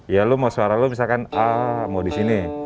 ya lo mau suara lo misalkan a mau di sini